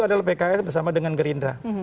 adalah pks bersama dengan gerindra